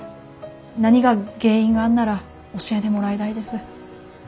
何が原因があんなら教えでもらいだいです。